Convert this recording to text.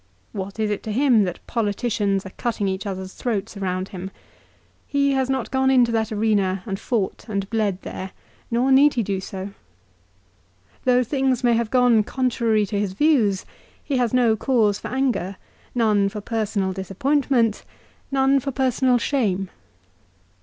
What is it to him that politicians are cutting each other's throats around him. He has not gone into that arena and fought and bled there, 1 Ibid. ca. xciii. CICERO'S RHETORIC. 327 nor need he do so. Though things may have gone contrary to his views he has no cause for anger, none for personal dis appointment, none for personal shame.